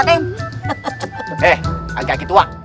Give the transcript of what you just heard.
eh agak gitu ma